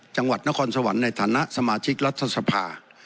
จังหวัดนครสวรรค์ในฐานะสมาชิกรัฐสภา